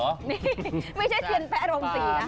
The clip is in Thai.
นี่ไม่ใช่เทียนแป๊โรงศรีนะ